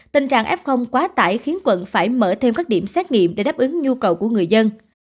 tình trạng f quá tải khiến quận phải mở thêm các điểm xét nghiệm để đáp ứng nhu cầu của người dân